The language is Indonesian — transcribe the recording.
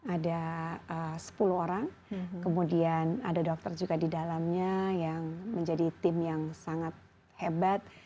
ada sepuluh orang kemudian ada dokter juga di dalamnya yang menjadi tim yang sangat hebat